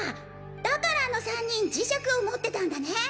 だからあの３人磁石を持ってたんだね！